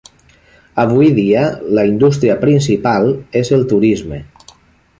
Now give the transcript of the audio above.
Avui dia, la indústria principal és el turisme.